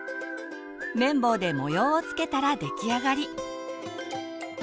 綿棒で模様をつけたら出来上がり。